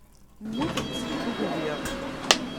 Mmutent seg tuggdi.